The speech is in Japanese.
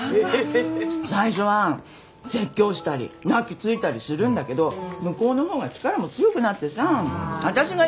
最初は説教したり泣きついたりするんだけど向こうのほうが力も強くなってさ私が家出たのよ。